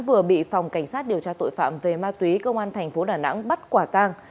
vừa bị phòng cảnh sát điều tra tội phạm về ma túy công an thành phố đà nẵng bắt quả tang